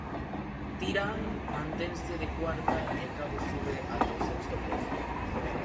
Tirán mantense de cuarta e Cabo sube até o sexto posto.